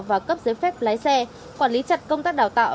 và cấp giấy phép lái xe quản lý chặt công tác đào tạo